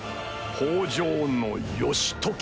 北条義時。